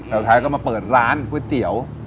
สุดท้ายก็มาเปิดร้านก๋วยเตี๋ยว